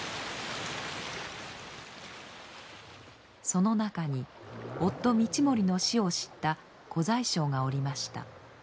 その中に夫通盛の死を知った小宰相がおりました。